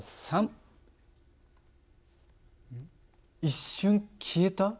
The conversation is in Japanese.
一瞬消えた？